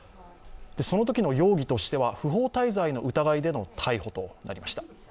そのときの容疑としては不法滞在の疑いでの逮捕となりました。